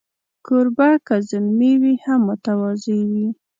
کوربه که زلمی وي، هم متواضع وي.